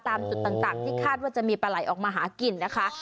ตามจุดต่างที่คาดว่าจะมีปลาไหลออกมาหากินนะคะ